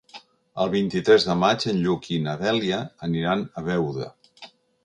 El vint-i-tres de maig en Lluc i na Dèlia aniran a Beuda.